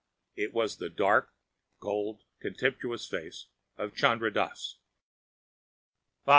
It was the dark, coldly contemptuous face of Chandra Dass. _4.